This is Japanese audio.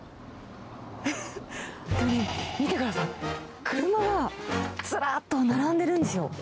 見てください、車がずらっと並んでるんですよ。